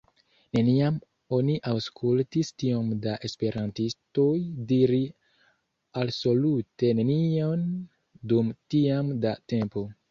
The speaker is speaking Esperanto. Neniam oni aŭskultis tiom da esperantistoj diri alsolute nenion dum tiam da tempo.